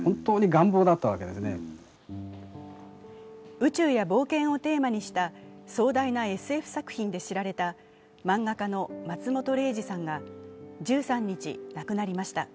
宇宙や冒険をテーマにした壮大なＳＦ作品で知られた漫画家の松本零士さんが１３日亡くなりました。